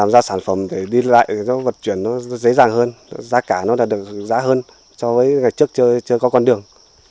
giao sản phẩm để đi lại cho vật chuyển nó dễ dàng hơn giá cả nó đã được giá hơn so với ngày trước chưa có con đường